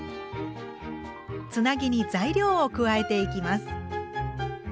つなぎに材料を加えていきます。